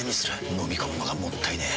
のみ込むのがもったいねえ。